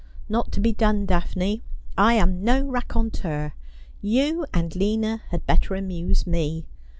Not to be done, Daphne. I am no raconteur. You or Lina had better amuse me.